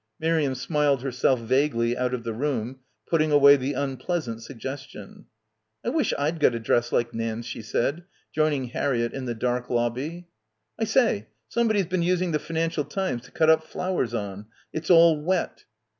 Miriam smiled herself vaguely out of the room, putting away the unpleasant suggestion. "I wish I'd got a dress like Nan's," she ^said, joining Harriett in the dark lobby. "I say, somebody's been using the 'Financial Times' to cut up flowers on. It's all wet."